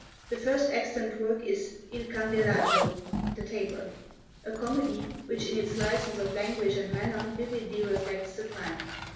The first extant work is 'Il Candelajo' (The Taper), a comedy which in its license of language and manner vividly reflects the time.